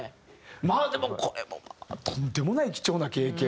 まあでもこれもまあとんでもない貴重な経験。